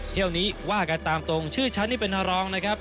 เที่ยวนี้ว่ากันตามตรงชื่อฉันนี่เป็นรองนะครับ